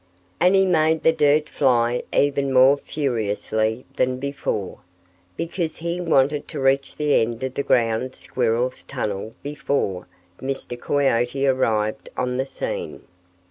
And he made the dirt fly even more furiously than before, because he wanted to reach the end of the ground squirrel's tunnel before Mr. Coyote arrived on the scene.